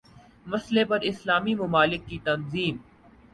مسئلے پر اسلامی ممالک کی تنظیم